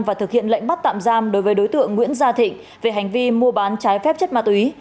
và thực hiện lệnh bắt tạm giam đối với đối tượng nguyễn gia thịnh về hành vi mua bán trái phép chất ma túy